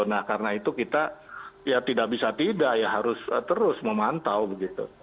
nah karena itu kita ya tidak bisa tidak ya harus terus memantau begitu